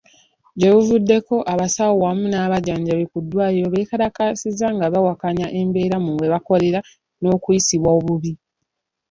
Gyebuvuddeko, abasawo wamu n'abajjanjabi ku ddwaliro beekalakaasizza nga bawakanya embeera mwe bakolera n'okuyisibwa obubi.